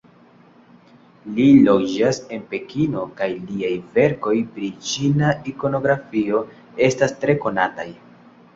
Li loĝas en Pekino kaj liaj verkoj pri ĉina ikonografio estas tre konataj.